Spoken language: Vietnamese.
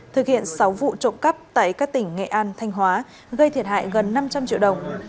thực hiện sáu vụ trộm cắp tại các tỉnh nghệ an thanh hóa gây thiệt hại gần năm trăm linh triệu đồng